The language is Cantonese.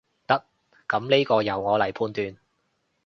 得，噉呢個由我來判斷